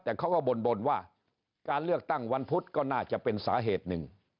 แต่เขาก็บ่นว่าการเลือกตั้งวันพุธก็น่าจะเป็นสาเหตุหนึ่ง